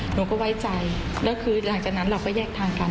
หนูก็ไว้ใจแล้วคือหลังจากนั้นเราก็แยกทางกัน